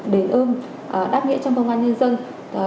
đề ơn đáp nghĩa trong công an dân dân